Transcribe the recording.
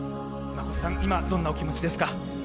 馬越さん、今、どんなお気持ちですか？